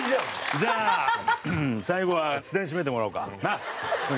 じゃあ最後は土田に締めてもらおうか。なあ？